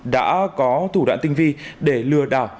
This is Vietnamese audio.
đã có thủ đoạn tinh vi để lừa đảo